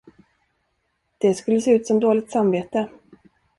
Det skulle se ut som dåligt samvete.